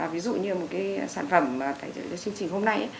ví dụ như một cái sản phẩm chương trình hôm nay